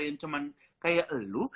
yang cuman kayak elu